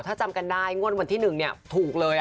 ถ้าจำกันได้งวดวันที่๑ถูกเลย